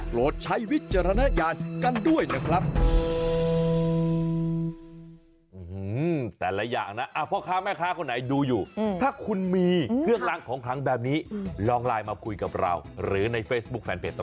ใช้วิจารณญาณกันด้วยนะครับ